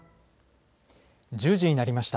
１０時になりました。